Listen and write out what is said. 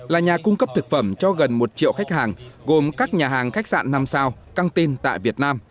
là nhà cung cấp thực phẩm cho gần một triệu khách hàng gồm các nhà hàng khách sạn năm sao cang tin tại việt nam